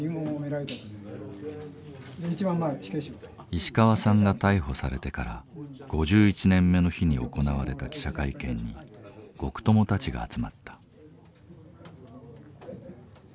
石川さんが逮捕されてから５１年目の日に行われた記者会見に獄友たちが集まった。